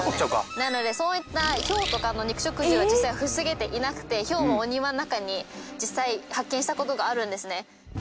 なのでそういったヒョウとかの肉食獣は実際防げていなくてヒョウをお庭の中に実際発見したことがあるんですね。